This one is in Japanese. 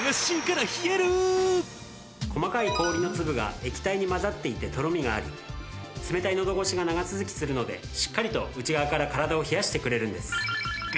細かい氷の粒が液体に混ざっていてとろみがあり冷たいのど越しが長続きするのでしっかりと内側から体を冷やしてくれるんです。